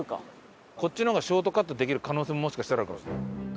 こっちの方がショートカットできる可能性ももしかしたらあるかもしれない。